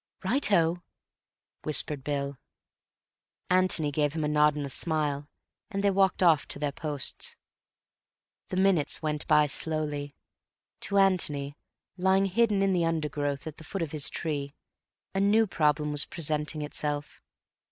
"Righto," whispered Bill. Antony gave him a nod and a smile, and they walked off to their posts. The minutes went by slowly. To Antony, lying hidden in the undergrowth at the foot of his tree, a new problem was presenting itself.